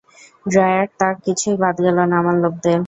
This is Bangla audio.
ড্রয়ার, তাক কিছুই বাদ গেল না আমার লোকদের।